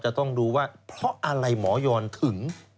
จะต้องดูว่าเพราะอะไรหมอยอนถึง